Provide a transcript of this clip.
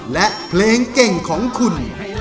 และเพลงเก่งของคุณ